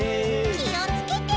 きをつけて。